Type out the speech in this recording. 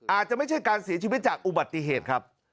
อาจจะไม่ใช่การเสียชีวิตจากอุบัติเหตุครับ